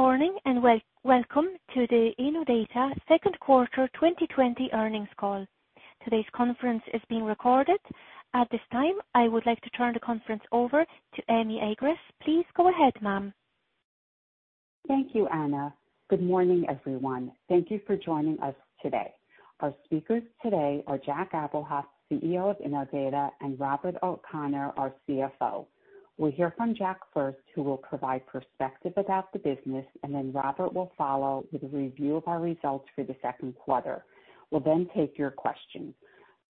Good morning and welcome to the Innodata Second Quarter 2020 Earnings Call. Today's conference is being recorded. At this time, I would like to turn the conference over to Amy Agress. Please go ahead, ma'am. Thank you, Anna. Good morning, everyone. Thank you for joining us today. Our speakers today are Jack Abuhoff, CEO of Innodata, and Robert O'Connor, our CFO. We'll hear from Jack first, who will provide perspective about the business, and then Robert will follow with a review of our results for the second quarter. We'll then take your questions.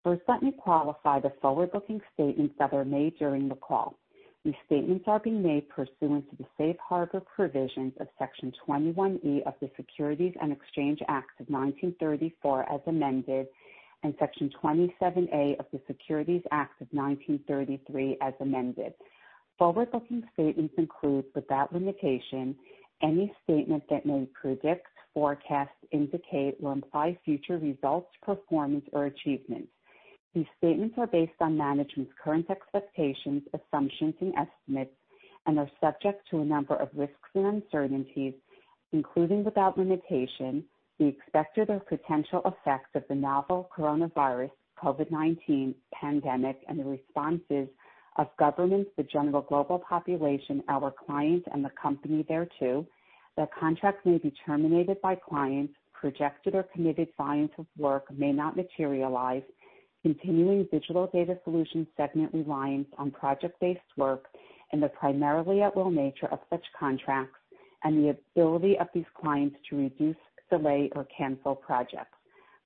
First, let me qualify the forward-looking statements that are made during the call. These statements are being made pursuant to the Safe harbor provisions of Section 21E of the Securities and Exchange Act of 1934, as amended, and Section 27A of the Securities Act of 1933, as amended. Forward-looking statements include, without limitation, any statement that may predict, forecast, indicate, or imply future results, performance, or achievements. These statements are based on management's current expectations, assumptions, and estimates, and are subject to a number of risks and uncertainties, including, without limitation, the expected or potential effects of the novel coronavirus, COVID-19 pandemic, and the responses of governments, the general global population, our clients, and the company thereto. The contracts may be terminated by clients, projected or committed volumes of work may not materialize, continuing Digital Data Solutions segment reliance on project-based work, and the primarily at-will nature of such contracts, and the ability of these clients to reduce, delay, or cancel projects.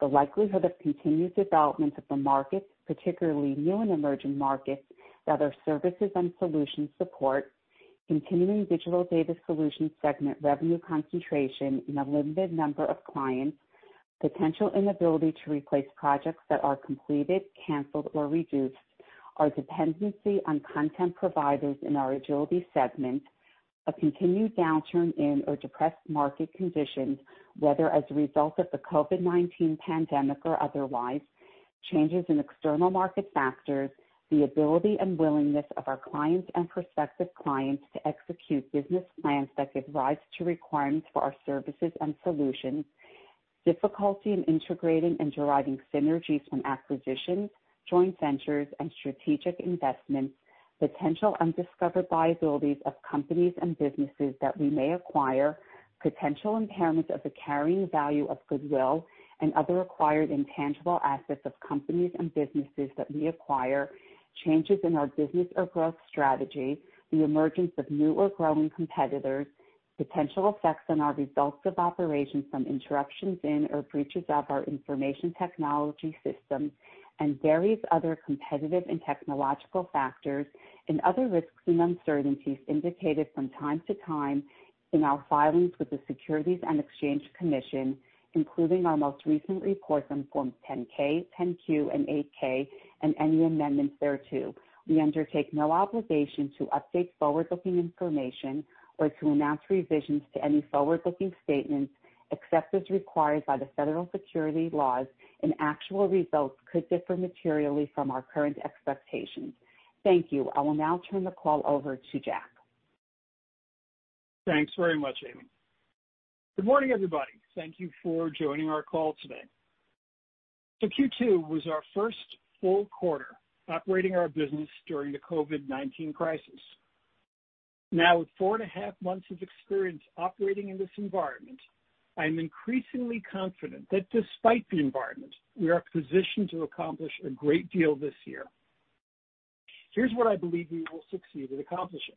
The likelihood of continued development of the markets, particularly new and emerging markets that our services and solutions support, continuing Digital Data Solutions segment revenue concentration in a limited number of clients, potential inability to replace projects that are completed, canceled, or reduced, our dependency on content providers in our Agility segment, a continued downturn in or depressed market conditions, whether as a result of the COVID-19 pandemic or otherwise, changes in external market factors, the ability and willingness of our clients and prospective clients to execute business plans that give rise to requirements for our services and solutions, difficulty in integrating and deriving synergies from acquisitions, joint ventures, and strategic investments, potential undiscovered liabilities of companies and businesses that we may acquire, potential impairments of the carrying value of goodwill and other acquired intangible assets of companies and businesses that we acquire, changes in our business or growth strategy, the emergence of new or growing competitors, potential effects on our results of operations from interruptions in or breaches of our information technology systems, and various other competitive and technological factors, and other risks and uncertainties indicated from time to time in our filings with the Securities and Exchange Commission, including our most recent reports on Forms 10-K, 10-Q, and 8-K, and any amendments thereto. We undertake no obligation to update forward-looking information or to announce revisions to any forward-looking statements except as required by the federal securities laws, and actual results could differ materially from our current expectations. Thank you. I will now turn the call over to Jack. Thanks very much, Amy. Good morning, everybody. Thank you for joining our call today. So Q2 was our first full quarter operating our business during the COVID-19 crisis. Now, with four and a half months of experience operating in this environment, I am increasingly confident that despite the environment, we are positioned to accomplish a great deal this year. Here's what I believe we will succeed at accomplishing.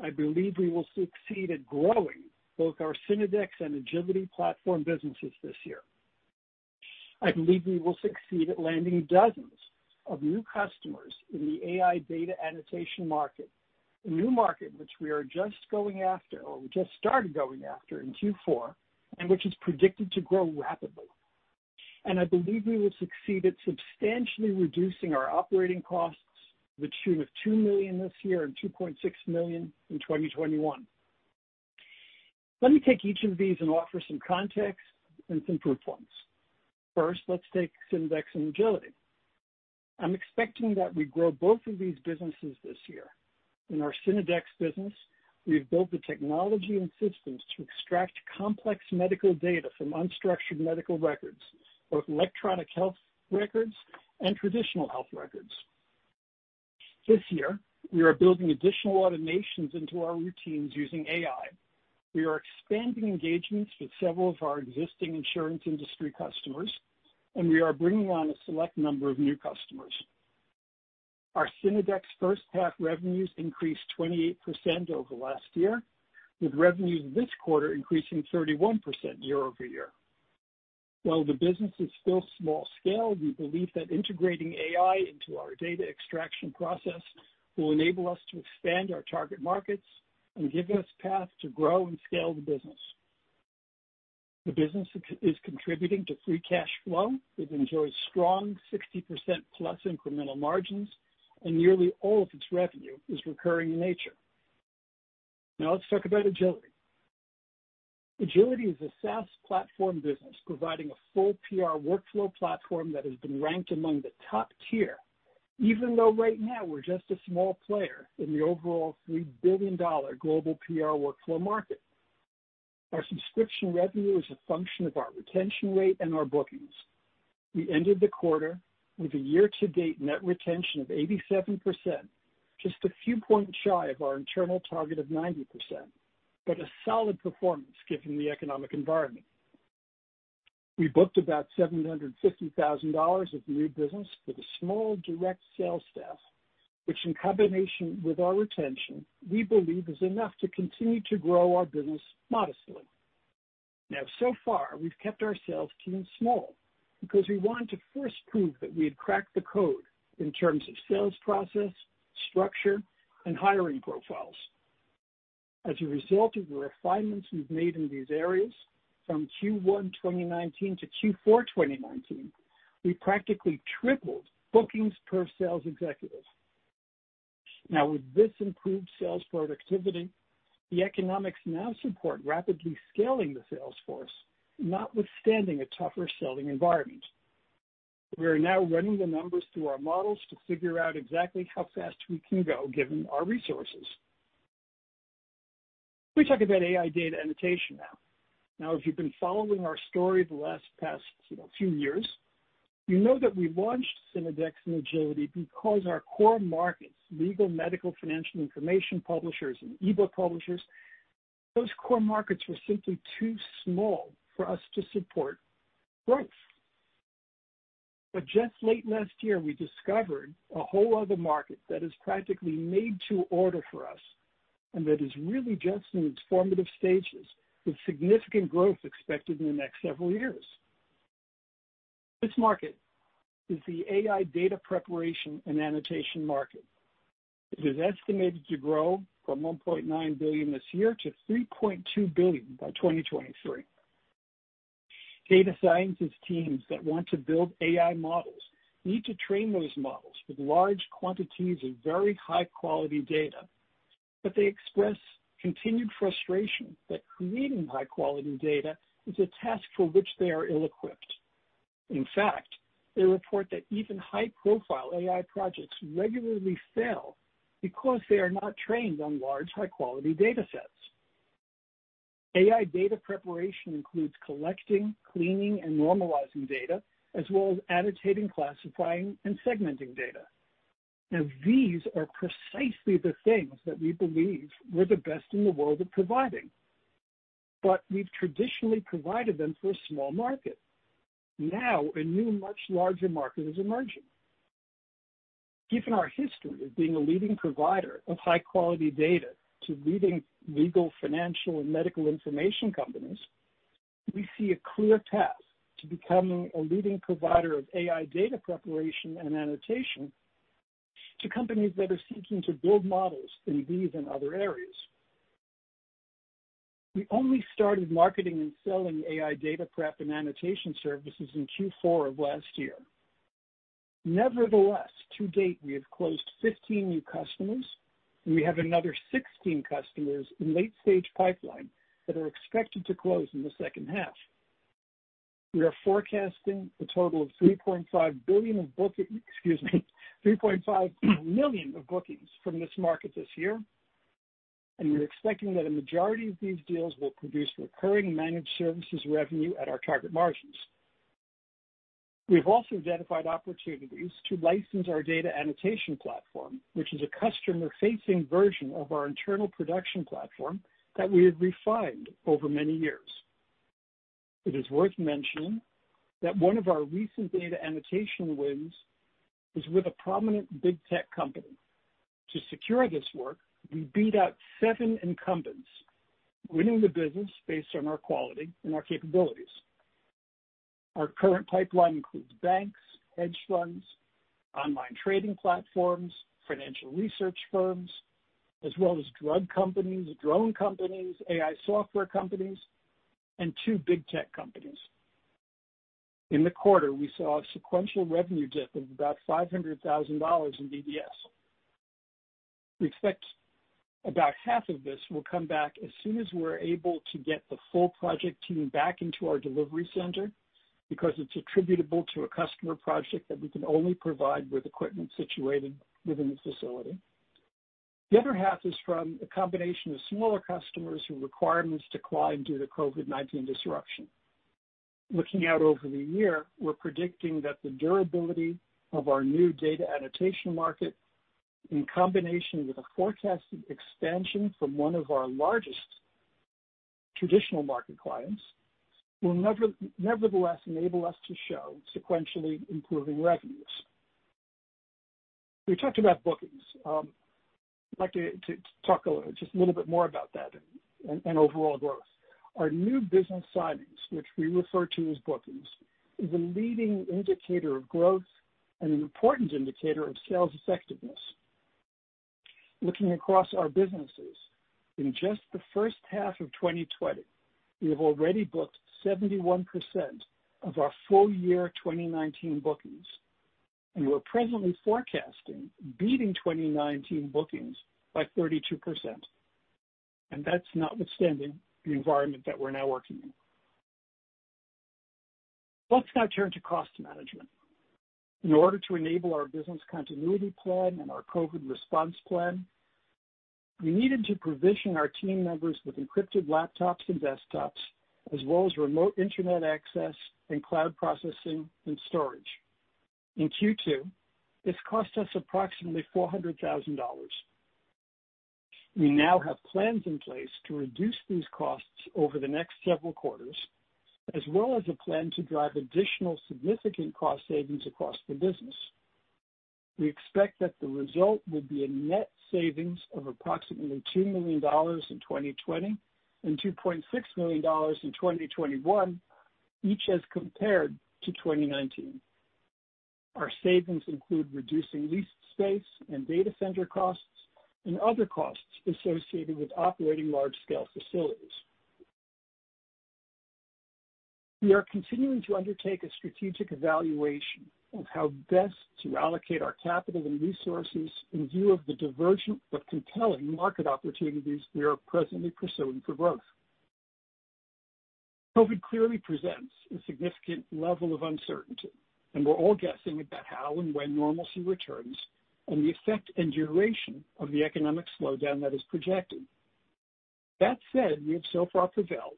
I believe we will succeed at growing both our Synodex and Agility platform businesses this year. I believe we will succeed at landing dozens of new customers in the AI data annotation market, a new market which we are just going after or just started going after in Q4 and which is predicted to grow rapidly. And I believe we will succeed at substantially reducing our operating costs to the tune of $2 million this year and $2.6 million in 2021. Let me take each of these and offer some context and some proof points. First, let's take Synodex and Agility. I'm expecting that we grow both of these businesses this year. In our Synodex business, we've built the technology and systems to extract complex medical data from unstructured medical records, both electronic health records and traditional health records. This year, we are building additional automations into our routines using AI. We are expanding engagements with several of our existing insurance industry customers, and we are bringing on a select number of new customers. Our Synodex first half revenues increased 28% over the last year, with revenues this quarter increasing 31% year over year. While the business is still small scale, we believe that integrating AI into our data extraction process will enable us to expand our target markets and give us a path to grow and scale the business. The business is contributing to free cash flow. It enjoys strong 60% plus incremental margins, and nearly all of its revenue is recurring in nature. Now, let's talk about Agility. Agility is a SaaS platform business providing a full PR workflow platform that has been ranked among the top tier, even though right now we're just a small player in the overall $ billion global PR workflow market. Our subscription revenue is a function of our retention rate and our bookings. We ended the quarter with a year-to-date net retention of 87%, just a few points shy of our internal target of 90%, but a solid performance given the economic environment. We booked about $750,000 of new business for the small direct sales staff, which, in combination with our retention, we believe is enough to continue to grow our business modestly. Now, so far, we've kept our sales team small because we wanted to first prove that we had cracked the code in terms of sales process, structure, and hiring profiles. As a result of the refinements we've made in these areas, from Q1 2019 to Q4 2019, we practically tripled bookings per sales executive. Now, with this improved sales productivity, the economics now support rapidly scaling the sales force, notwithstanding a tougher selling environment. We are now running the numbers through our models to figure out exactly how fast we can go given our resources. Let me talk about AI data annotation now. Now, if you've been following our story the last few years, you know that we launched Synodex and Agility because our core markets, legal, medical, financial information publishers, and e-book publishers, those core markets were simply too small for us to support growth. But just late last year, we discovered a whole other market that is practically made to order for us and that is really just in its formative stages, with significant growth expected in the next several years. This market is the AI data preparation and annotation market. It is estimated to grow from $1.9 billion this year to $3.2 billion by 2023. Data scientist teams that want to build AI models need to train those models with large quantities of very high-quality data, but they express continued frustration that creating high-quality data is a task for which they are ill-equipped. In fact, they report that even high-profile AI projects regularly fail because they are not trained on large, high-quality data sets. AI data preparation includes collecting, cleaning, and normalizing data, as well as annotating, classifying, and segmenting data. Now, these are precisely the things that we believe we're the best in the world at providing, but we've traditionally provided them for a small market. Now, a new, much larger market is emerging. Given our history of being a leading provider of high-quality data to leading legal, financial, and medical information companies, we see a clear path to becoming a leading provider of AI data preparation and annotation to companies that are seeking to build models in these and other areas. We only started marketing and selling AI data prep and annotation services in Q4 of last year. Nevertheless, to date, we have closed 15 new customers, and we have another 16 customers in late-stage pipeline that are expected to close in the second half. We are forecasting a total of 3.5 billion of bookings, excuse me, 3.5 million of bookings from this market this year, and we're expecting that a majority of these deals will produce recurring managed services revenue at our target margins. We've also identified opportunities to license our data annotation platform, which is a customer-facing version of our internal production platform that we have refined over many years. It is worth mentioning that one of our recent data annotation wins is with a prominent big tech company. To secure this work, we beat out seven incumbents, winning the business based on our quality and our capabilities. Our current pipeline includes banks, hedge funds, online trading platforms, financial research firms, as well as drug companies, drone companies, AI software companies, and two big tech companies. In the quarter, we saw a sequential revenue dip of about $500,000 in DBS. We expect about half of this will come back as soon as we're able to get the full project team back into our delivery center because it's attributable to a customer project that we can only provide with equipment situated within the facility. The other half is from a combination of smaller customers whose requirements declined due to COVID-19 disruption. Looking out over the year, we're predicting that the durability of our new data annotation market, in combination with a forecasted expansion from one of our largest traditional market clients, will nevertheless enable us to show sequentially improving revenues. We talked about bookings. I'd like to talk just a little bit more about that and overall growth. Our new business signings, which we refer to as bookings, are a leading indicator of growth and an important indicator of sales effectiveness. Looking across our businesses, in just the first half of 2020, we have already booked 71% of our full-year 2019 bookings, and we're presently forecasting beating 2019 bookings by 32%, and that's notwithstanding the environment that we're now working in. Let's now turn to cost management. In order to enable our business continuity plan and our COVID response plan, we needed to provision our team members with encrypted laptops and desktops, as well as remote internet access and cloud processing and storage. In Q2, this cost us approximately $400,000. We now have plans in place to reduce these costs over the next several quarters, as well as a plan to drive additional significant cost savings across the business. We expect that the result will be a net savings of approximately $2 million in 2020 and $2.6 million in 2021, each as compared to 2019. Our savings include reducing lease space and data center costs and other costs associated with operating large-scale facilities. We are continuing to undertake a strategic evaluation of how best to allocate our capital and resources in view of the divergent but compelling market opportunities we are presently pursuing for growth. COVID clearly presents a significant level of uncertainty, and we're all guessing about how and when normalcy returns and the effect and duration of the economic slowdown that is projected. That said, we have so far prevailed,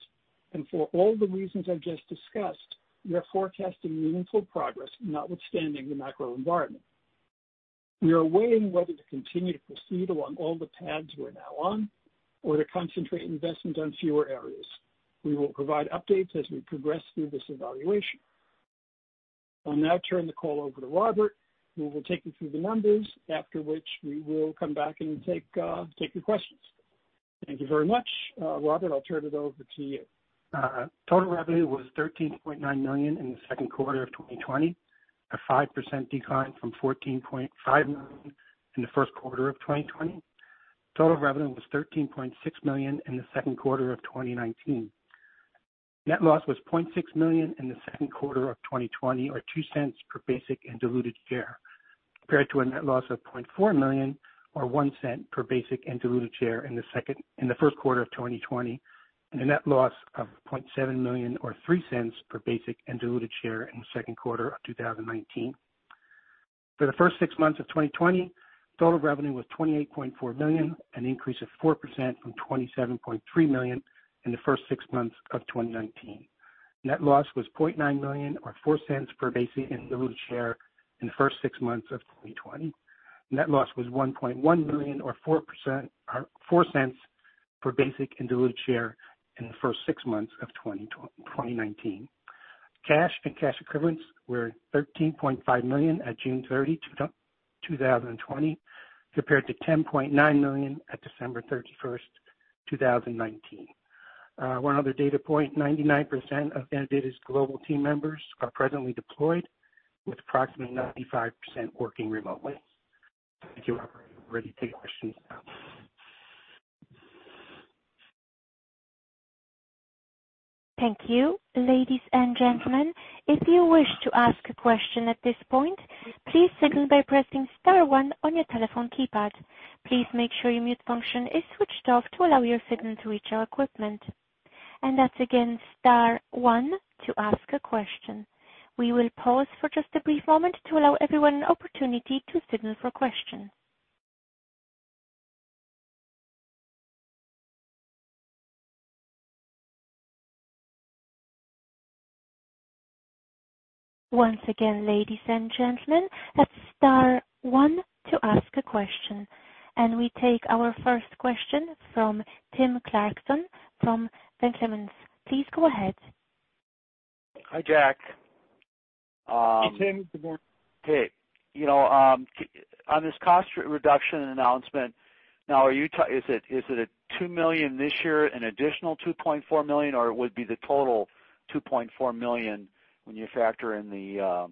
and for all the reasons I've just discussed, we are forecasting meaningful progress, notwithstanding the macro environment. We are weighing whether to continue to proceed along all the paths we're now on or to concentrate investment on fewer areas. We will provide updates as we progress through this evaluation. I'll now turn the call over to Robert, who will take you through the numbers, after which we will come back and take your questions. Thank you very much, Robert. I'll turn it over to you. Total revenue was $13.9 million in the second quarter of 2020, a 5% decline from $14.5 million in the first quarter of 2020. Total revenue was $13.6 million in the second quarter of 2019. Net loss was $0.6 million in the second quarter of 2020, or $0.02 per basic and diluted share, compared to a net loss of $0.4 million, or $0.01 per basic and diluted share in the first quarter of 2020, and a net loss of $0.7 million, or $0.03 per basic and diluted share in the second quarter of 2019. For the first six months of 2020, total revenue was $28.4 million, an increase of 4% from $27.3 million in the first six months of 2019. Net loss was $0.9 million, or $0.04 per basic and diluted share in the first six months of 2020. Net loss was $1.1 million, or $0.04 per basic and diluted share in the first six months of 2019. Cash and cash equivalents were $13.5 million at June 30, 2020, compared to $10.9 million at December 31, 2019. One other data point: 99% of Innodata's global team members are presently deployed, with approximately 95% working remotely. Thank you, Robert. We're ready to take questions now. Thank you, ladies and gentlemen. If you wish to ask a question at this point, please signal by pressing Star 1 on your telephone keypad. Please make sure your mute function is switched off to allow your signal to reach our equipment. And that's again Star 1 to ask a question. We will pause for just a brief moment to allow everyone an opportunity to signal for a question. Once again, ladies and gentlemen, that's Star 1 to ask a question. And we take our first question from Tim Clarkson from Van Clemens & Co. Please go ahead. Hi, Jack. Hey, Tim. Hey. Hey. On this cost reduction announcement, now, is it a $2 million this year, an additional $2.4 million, or would it be the total $2.4 million when you factor in the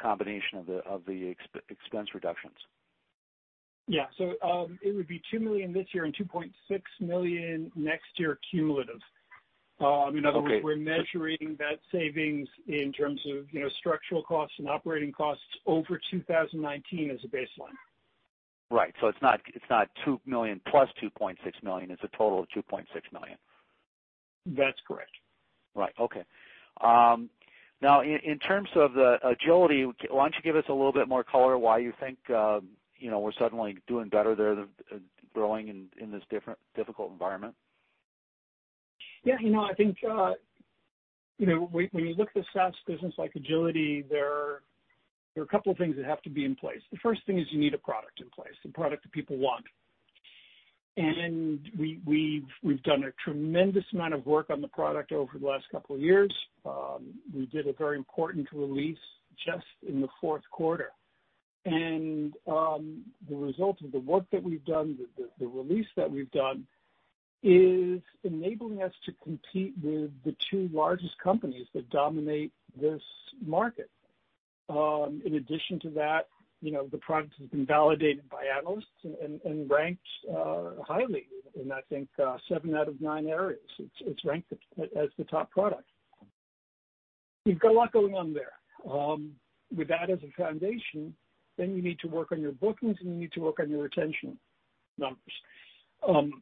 combination of the expense reductions? Yeah. So it would be $2 million this year and $2.6 million next year cumulative. In other words, we're measuring that savings in terms of structural costs and operating costs over 2019 as a baseline. Right. So it's not $2 million plus $2.6 million. It's a total of $2.6 million. That's correct. Right. Okay. Now, in terms of the Agility, why don't you give us a little bit more color why you think we're suddenly doing better there, growing in this difficult environment? Yeah. I think when you look at the SaaS business like Agility, there are a couple of things that have to be in place. The first thing is you need a product in place, a product that people want. And we've done a tremendous amount of work on the product over the last couple of years. We did a very important release just in the fourth quarter. And the result of the work that we've done, the release that we've done, is enabling us to compete with the two largest companies that dominate this market. In addition to that, the product has been validated by analysts and ranked highly in, I think, seven out of nine areas. It's ranked as the top product. We've got a lot going on there. With that as a foundation, then you need to work on your bookings, and you need to work on your retention numbers.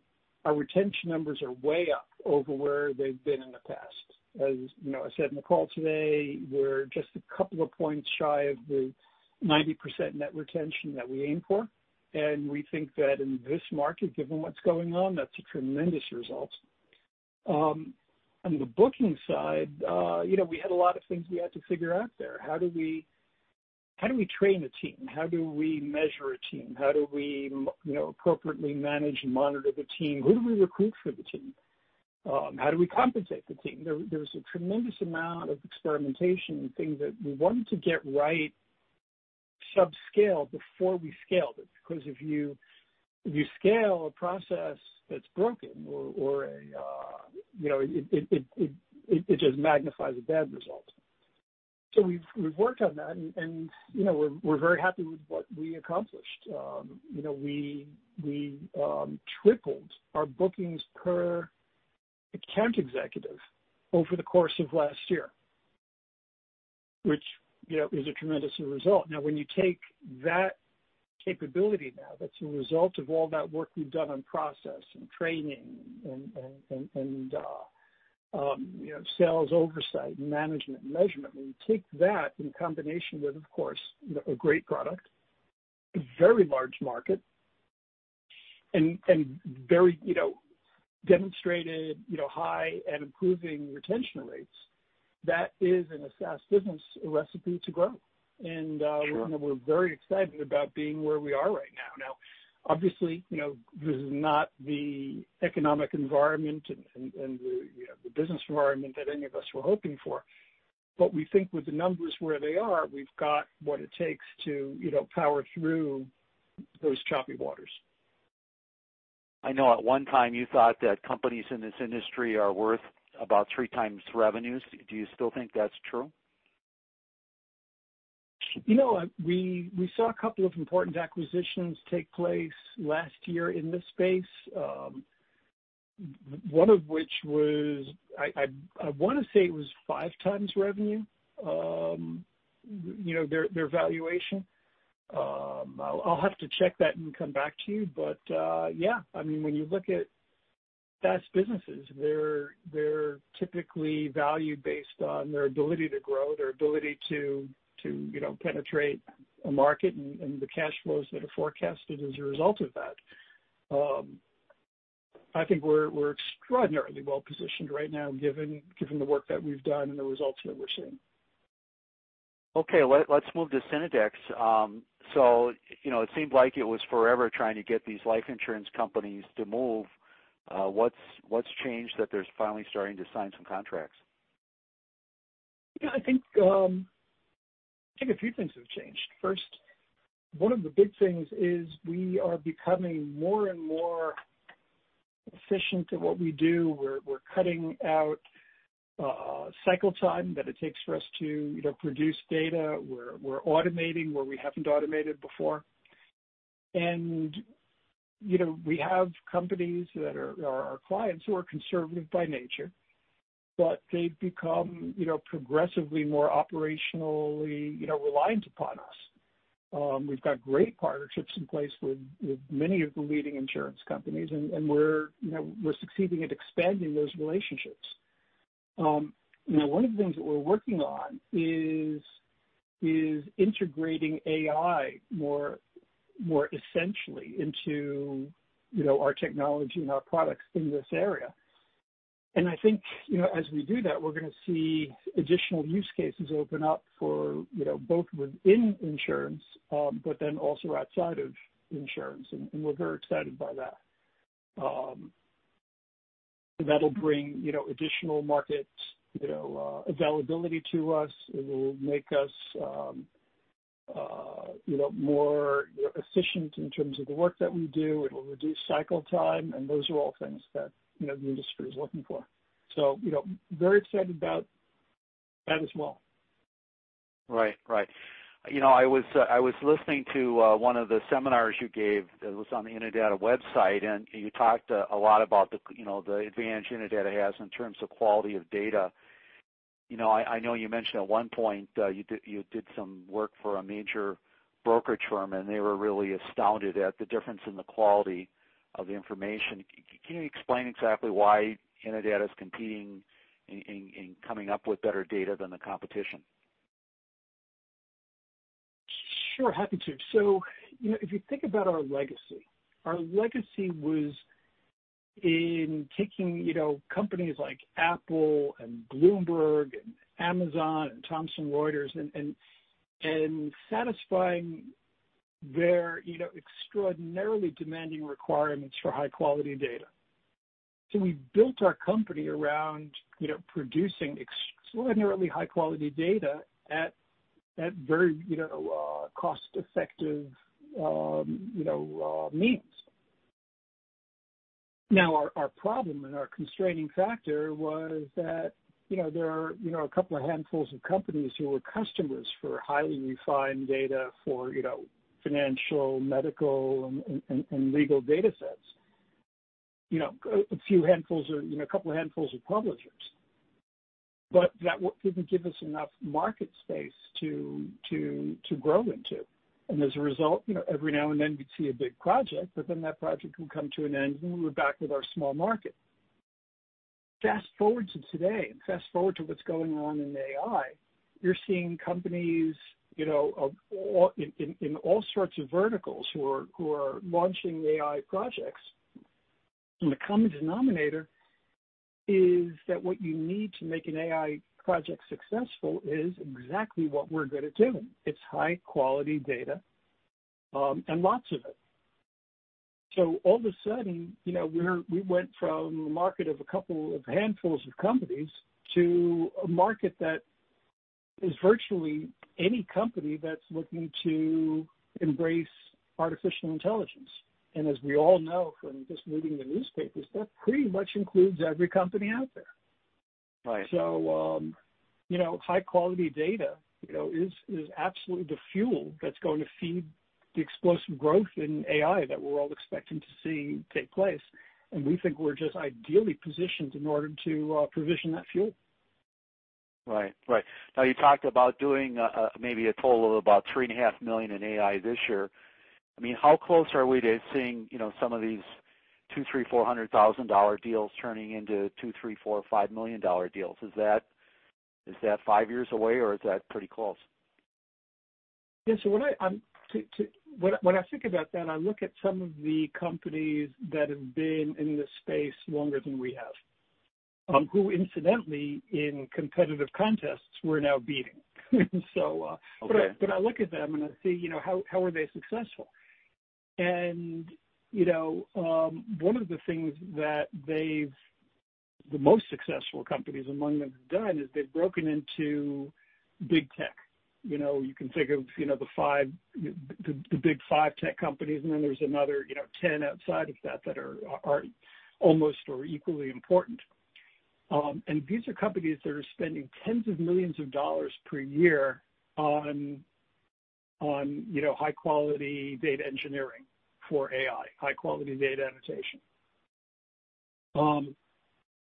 Our retention numbers are way up over where they've been in the past. As I said in the call today, we're just a couple of points shy of the 90% net retention that we aim for. And we think that in this market, given what's going on, that's a tremendous result. On the booking side, we had a lot of things we had to figure out there. How do we train a team? How do we measure a team? How do we appropriately manage and monitor the team? Who do we recruit for the team? How do we compensate the team? There was a tremendous amount of experimentation and things that we wanted to get right at subscale before we scaled it because if you scale a process that's broken or if it just magnifies a bad result. So we've worked on that, and we're very happy with what we accomplished. We tripled our bookings per account executive over the course of last year, which is a tremendous result. Now, when you take that capability now, that's a result of all that work we've done on process and training and sales oversight and management and measurement. When you take that in combination with, of course, a great product, a very large market, and very demonstrated high and improving retention rates, that is, in a SaaS business, a recipe to grow, and we're very excited about being where we are right now. Now, obviously, this is not the economic environment and the business environment that any of us were hoping for, but we think with the numbers where they are, we've got what it takes to power through those choppy waters. I know at one time you thought that companies in this industry are worth about three times revenues. Do you still think that's true? We saw a couple of important acquisitions take place last year in this space, one of which was, I want to say, it was five times revenue, their valuation. I'll have to check that and come back to you. But yeah, I mean, when you look at SaaS businesses, they're typically valued based on their ability to grow, their ability to penetrate a market, and the cash flows that are forecasted as a result of that. I think we're extraordinarily well-positioned right now, given the work that we've done and the results that we're seeing. Okay. Let's move to Synodex. So it seemed like it was forever trying to get these life insurance companies to move. What's changed that they're finally starting to sign some contracts? Yeah. I think a few things have changed. First, one of the big things is we are becoming more and more efficient at what we do. We're cutting out cycle time that it takes for us to produce data. We're automating where we haven't automated before. And we have companies that are our clients who are conservative by nature, but they've become progressively more operationally reliant upon us. We've got great partnerships in place with many of the leading insurance companies, and we're succeeding at expanding those relationships. Now, one of the things that we're working on is integrating AI more essentially into our technology and our products in this area. And I think as we do that, we're going to see additional use cases open up for both within insurance but then also outside of insurance. And we're very excited by that. That'll bring additional market availability to us. It will make us more efficient in terms of the work that we do. It will reduce cycle time, and those are all things that the industry is looking for, so very excited about that as well. Right. Right. I was listening to one of the seminars you gave that was on the Innodata website, and you talked a lot about the advantage Innodata has in terms of quality of data. I know you mentioned at one point you did some work for a major brokerage firm, and they were really astounded at the difference in the quality of the information. Can you explain exactly why Innodata is competing in coming up with better data than the competition? Sure. Happy to. So if you think about our legacy, our legacy was in taking companies like Apple and Bloomberg and Amazon and Thomson Reuters and satisfying their extraordinarily demanding requirements for high-quality data, so we built our company around producing extraordinarily high-quality data at very cost-effective means. Now, our problem and our constraining factor was that there are a couple of handfuls of companies who were customers for highly refined data for financial, medical, and legal data sets, a few handfuls or a couple of handfuls of publishers, but that didn't give us enough market space to grow into, and as a result, every now and then, we'd see a big project, but then that project would come to an end, and we were back with our small market. Fast forward to today, and fast forward to what's going on in AI. You're seeing companies in all sorts of verticals who are launching AI projects. And the common denominator is that what you need to make an AI project successful is exactly what we're good at doing. It's high-quality data and lots of it. So all of a sudden, we went from a market of a couple of handfuls of companies to a market that is virtually any company that's looking to embrace artificial intelligence. And as we all know from just reading the newspapers, that pretty much includes every company out there. So high-quality data is absolutely the fuel that's going to feed the explosive growth in AI that we're all expecting to see take place. And we think we're just ideally positioned in order to provision that fuel. Right. Right. Now, you talked about doing maybe a total of about $3.5 million in AI this year. I mean, how close are we to seeing some of these $200,000-$400,000 deals turning into $2-$5 million deals? Is that five years away, or is that pretty close? Yeah. So when I think about that, I look at some of the companies that have been in this space longer than we have, who incidentally, in competitive contests, we're now beating. But I look at them, and I see how are they successful. And one of the things that the most successful companies among them have done is they've broken into big tech. You can think of the big five tech companies, and then there's another 10 outside of that that are almost or equally important. And these are companies that are spending tens of millions of dollars per year on high-quality data engineering for AI, high-quality data annotation.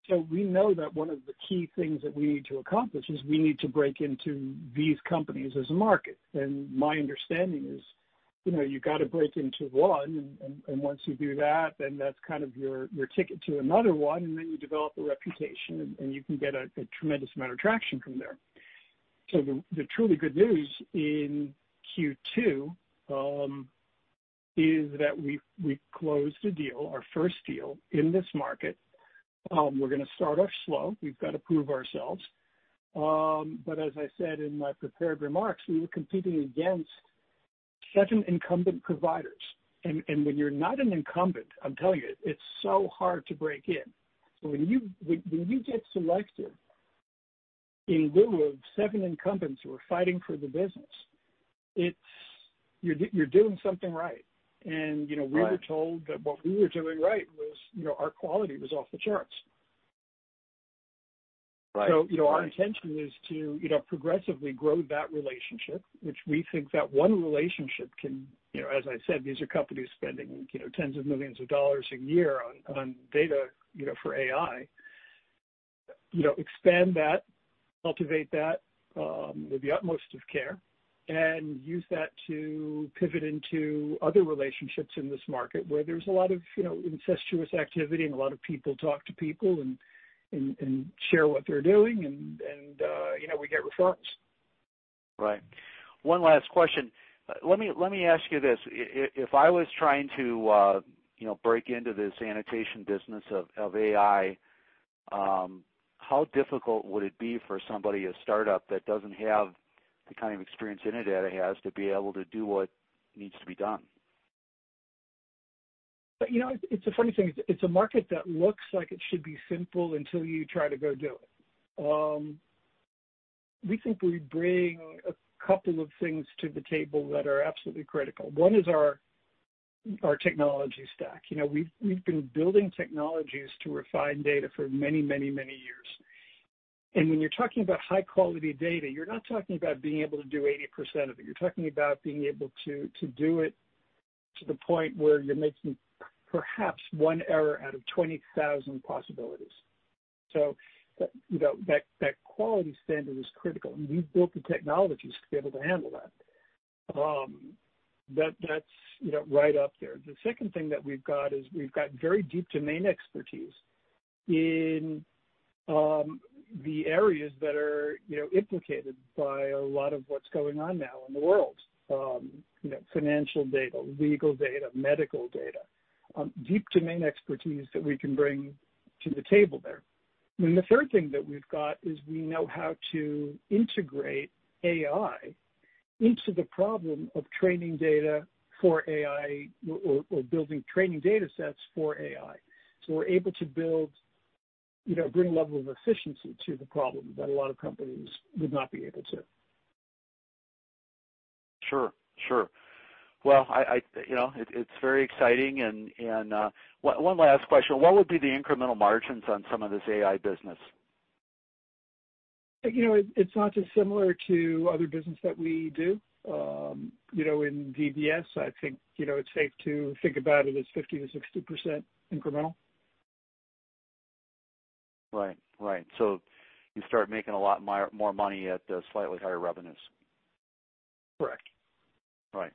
So we know that one of the key things that we need to accomplish is we need to break into these companies as a market. My understanding is you've got to break into one, and once you do that, then that's kind of your ticket to another one, and then you develop a reputation, and you can get a tremendous amount of traction from there. The truly good news in Q2 is that we've closed a deal, our first deal in this market. We're going to start off slow. We've got to prove ourselves. As I said in my prepared remarks, we were competing against seven incumbent providers. When you're not an incumbent, I'm telling you, it's so hard to break in. When you get selected in lieu of seven incumbents who are fighting for the business, you're doing something right. We were told that what we were doing right was our quality was off the charts. Our intention is to progressively grow that relationship, which we think that one relationship can, as I said, these are companies spending tens of millions of dollars a year on data for AI, expand that, cultivate that with the utmost of care, and use that to pivot into other relationships in this market where there's a lot of incestuous activity and a lot of people talk to people and share what they're doing, and we get referrals. Right. One last question. Let me ask you this. If I was trying to break into this annotation business of AI, how difficult would it be for somebody, a startup that doesn't have the kind of experience Innodata has to be able to do what needs to be done? It's a funny thing. It's a market that looks like it should be simple until you try to go do it. We think we bring a couple of things to the table that are absolutely critical. One is our technology stack. We've been building technologies to refine data for many, many, many years, and when you're talking about high-quality data, you're not talking about being able to do 80% of it. You're talking about being able to do it to the point where you're making perhaps one error out of 20,000 possibilities. So that quality standard is critical, and we've built the technologies to be able to handle that. That's right up there. The second thing that we've got is we've got very deep domain expertise in the areas that are implicated by a lot of what's going on now in the world: financial data, legal data, medical data, deep domain expertise that we can bring to the table there. And the third thing that we've got is we know how to integrate AI into the problem of training data for AI or building training data sets for AI. So we're able to bring a level of efficiency to the problem that a lot of companies would not be able to. Sure. Sure. Well, it's very exciting. And one last question. What would be the incremental margins on some of this AI business? It's not dissimilar to other business that we do. In DBS, I think it's safe to think about it as 50% to 60% incremental. Right. Right. So you start making a lot more money at slightly higher revenues. Correct. Right.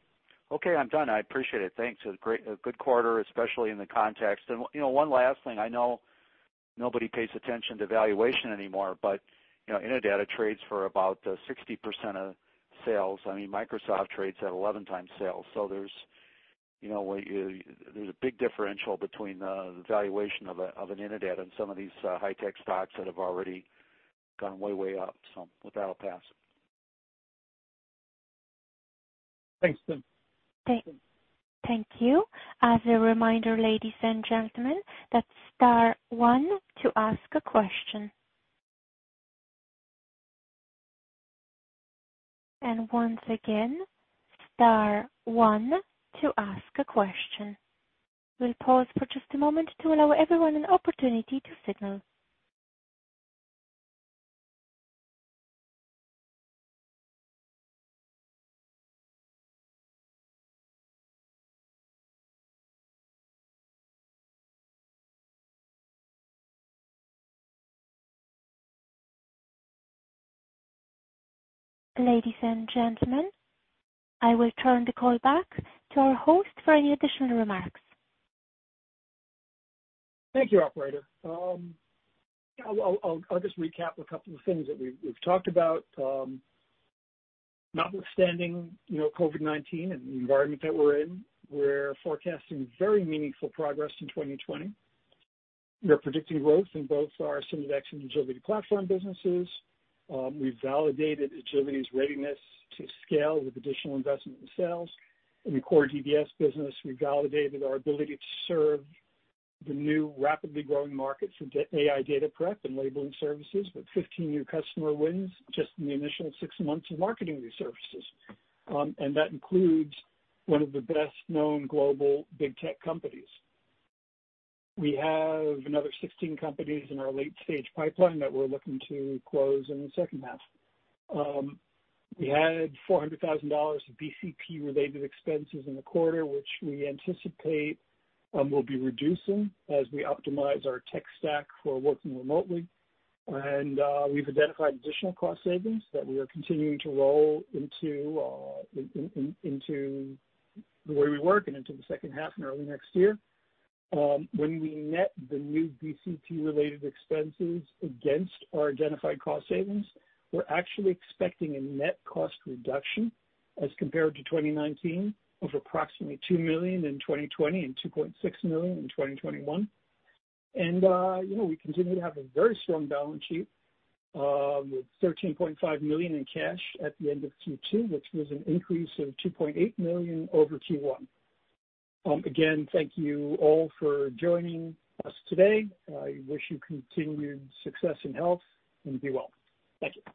Okay. I'm done. I appreciate it. Thanks. A good quarter, especially in the context. And one last thing. I know nobody pays attention to valuation anymore, but Innodata trades for about 60% of sales. I mean, Microsoft trades at 11 times sales. So there's a big differential between the valuation of an Innodata and some of these high-tech stocks that have already gone way, way up. So with that, I'll pass. Thanks, Tim. Thank you. As a reminder, ladies and gentlemen, that's star one to ask a question. And once again, star one to ask a question. We'll pause for just a moment to allow everyone an opportunity to signal. Ladies and gentlemen, I will turn the call back to our host for any additional remarks. Thank you, Operator. I'll just recap a couple of things that we've talked about. Notwithstanding COVID-19 and the environment that we're in, we're forecasting very meaningful progress in 2020. We're predicting growth in both our Synodex and Agility platform businesses. We've validated Agility's readiness to scale with additional investment in sales. In the core DBS business, we validated our ability to serve the new rapidly growing market for AI data prep and labeling services with 15 new customer wins just in the initial six months of marketing these services, and that includes one of the best-known global big tech companies. We have another 16 companies in our late-stage pipeline that we're looking to close in the second half. We had $400,000 of BCP-related expenses in the quarter, which we anticipate will be reducing as we optimize our tech stack for working remotely. We've identified additional cost savings that we are continuing to roll into the way we work and into the second half and early next year. When we net the new BCP-related expenses against our identified cost savings, we're actually expecting a net cost reduction as compared to 2019 of approximately $2 million in 2020 and $2.6 million in 2021. We continue to have a very strong balance sheet with $13.5 million in cash at the end of Q2, which was an increase of $2.8 million over Q1. Again, thank you all for joining us today. I wish you continued success and health and be well. Thank you.